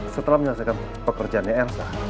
setelah menyelesaikan pekerjaannya elsa